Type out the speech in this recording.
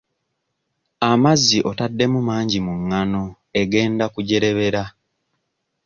Amazzi otaddemu mangi mu ngano egenda kujerebera.